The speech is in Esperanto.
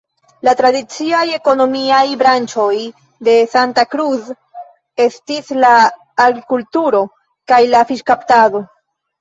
La tradiciaj ekonomiaj branĉoj de Santa Cruz estis la agrikulturo kaj la fiŝkaptado.